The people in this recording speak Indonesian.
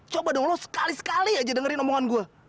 coba dong lo sekali sekali aja dengerin omongan gue